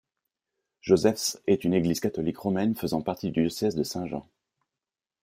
Joseph's est une église catholique romaine faisant partie du diocèse de Saint-Jean.